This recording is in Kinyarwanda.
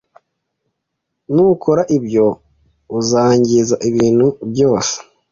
Nukora ibyo, uzangiza ibintu byose.